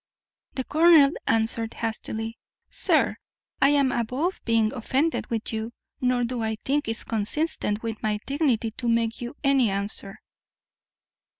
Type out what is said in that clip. The colonel answered hastily, "Sir, I am above being offended with you, nor do I think it consistent with my dignity to make you any answer."